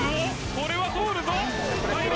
これは通るぞ！